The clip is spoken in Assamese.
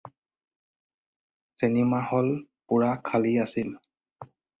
চিনেমা হল পূৰা খালী আছিল।